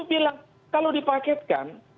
saya bilang kalau dipaketkan